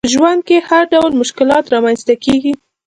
په ژوند کي هرډول مشکلات رامنځته کیږي